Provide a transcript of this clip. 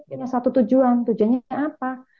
punya satu tujuan tujuannya apa